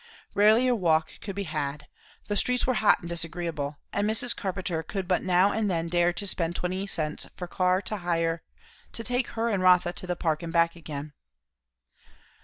Rarely a walk could be had; the streets were hot and disagreeable; and Mrs. Carpenter could but now and then dare to spend twenty cents for car hire to take her and Rotha to the Park and back again.